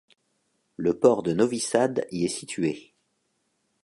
Le port de Novi Sad y est situé.